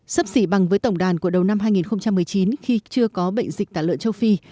sấp xỉ bằng với tổng đàn của đầu năm hai nghìn một mươi chín khi chưa có bệnh dịch tả lợn châu phi